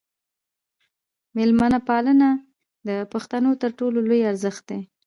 میلمه پالنه د پښتنو تر ټولو لوی ارزښت دی.